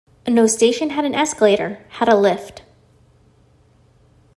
No station had an escalator; had a lift.